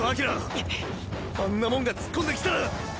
あんなもんが突っ込んできたら。